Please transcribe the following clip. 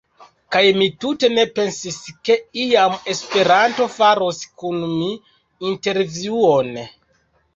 Kaj mi tute ne pensis ke iam Esperanto faros kun mi intervjuon.